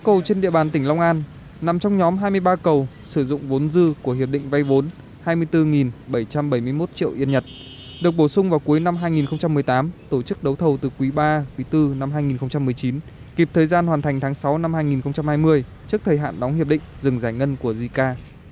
sáu cầu trên địa bàn tỉnh long an nằm trong nhóm hai mươi ba cầu sử dụng vốn dư của hiệp định vay vốn hai mươi bốn bảy trăm bảy mươi một triệu yên nhật được bổ sung vào cuối năm hai nghìn một mươi tám tổ chức đấu thầu từ quý ba quý bốn năm hai nghìn một mươi chín kịp thời gian hoàn thành tháng sáu năm hai nghìn hai mươi trước thời hạn đóng hiệp định dừng giải ngân của zika